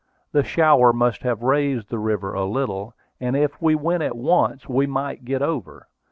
The shower must have raised the river a little; and if we went at once, we might get over.